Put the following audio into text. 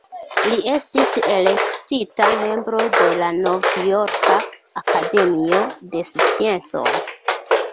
Li estis elektita membro de la Novjorka Akademio de Sciencoj.